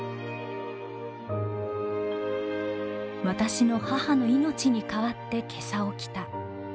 「私の母の命に代わって袈裟を着た。